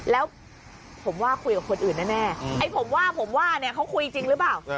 แล้วผมว่าคุยกับคนอื่นแน่ไอ้ผมว่าผมว่าเนี่ยเขาคุยจริงหรือเปล่า